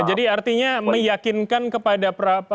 jadi artinya meyakinkan kepada